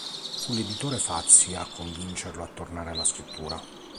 Fu l'editore Fazi a convincerlo a tornare alla scrittura.